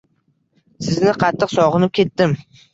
Sizni qattiq sog'inib ketdim